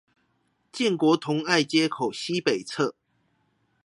建國同愛街口西北側